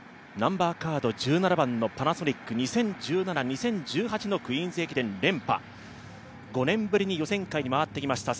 １７番のパナソニックは２０１７、２０１８のクイーンズ駅伝連覇、５年ぶりに予選会に回ってきました